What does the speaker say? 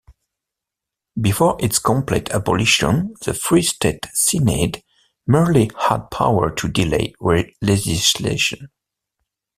Before its complete abolition the Free State Seanad merely had power to delay legislation.